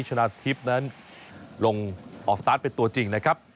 ชนะทิพย์นั้นลงออกสตาร์ทเป็นตัวจริงนะครับ